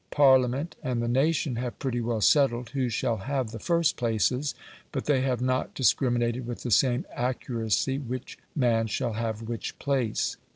Parliament and the nation have pretty well settled who shall have the first places; but they have not discriminated with the same accuracy which man shall have which place.